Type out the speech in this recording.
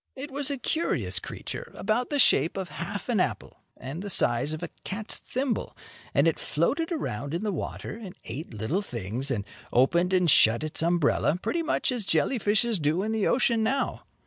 It was a curious creature, about the shape of half an apple, and the size of a cat's thimble, and it floated around in the water and ate little things and opened and shut its umbrella, pretty much as jelly fishes do in the ocean now.